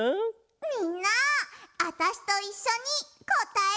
みんなあたしといっしょにこたえよう！せの。